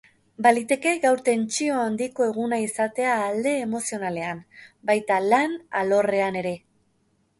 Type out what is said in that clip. Baliteke gaur tentsio handiko eguna izatea alde emozionalean, baita lan alorrean ere.